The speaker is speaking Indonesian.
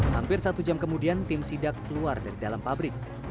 hampir satu jam kemudian tim sidak keluar dari dalam pabrik